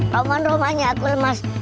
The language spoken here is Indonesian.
roman roman ya aku lemas